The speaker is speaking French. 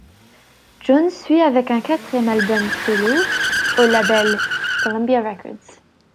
Jones suit avec un quatrième album solo, ' au label Columbia Records.